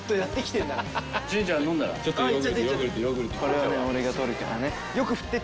これは俺が撮るからね。